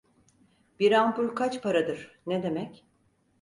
Bir ampul kaç paradır, ne demek?